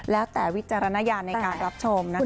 แล้วแต่วิจารณญาณในการรับชมนะคะ